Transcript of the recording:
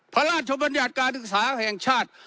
พระราชบรรยาชการศึกษาแห่งชาติ